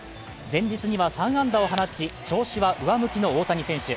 前日には３安打を放ち調子は上向きの大谷選手。